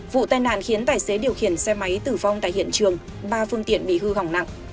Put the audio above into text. vụ tai nạn khiến tài xế điều khiển xe máy tử vong tại hiện trường ba phương tiện bị hư hỏng nặng